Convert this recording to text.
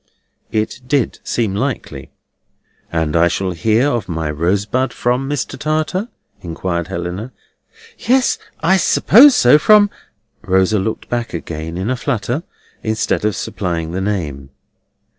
(It did seem likely.) "And I shall hear of my Rosebud from Mr. Tartar?" inquired Helena. "Yes, I suppose so; from—" Rosa looked back again in a flutter, instead of supplying the name.